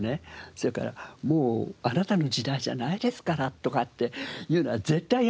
それから「もうあなたの時代じゃないですから」とかっていうのは絶対言えませんよ！